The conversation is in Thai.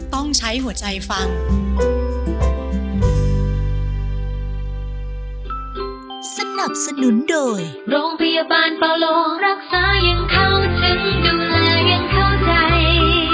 สนับสนุนโดยโรงพยาบาลปาโลรักษายังเข้าถึงดูแลยังเข้าใจ